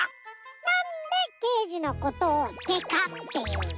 なんで「けいじ」のことを「デカ」っていうの？